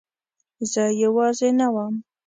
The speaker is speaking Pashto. زه یوازې نه وم.